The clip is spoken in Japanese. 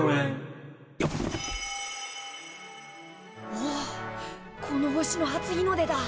おおっこの星の初日の出だ。